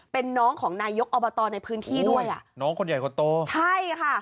เป็นน้องของนายกอบตในพื้นที่ด้วยอ่ะน้องคนใหญ่คนโตใช่ค่ะ